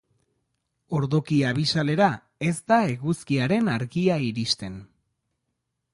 Ordoki abisalera ez da eguzkiaren argia iristen.